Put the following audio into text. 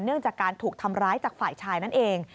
จากการถูกทำร้ายจากฝ่ายชายนั่นเอง